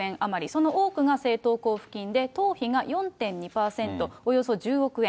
その多くが政党交付金で党費が４．２％、およそ１０億円。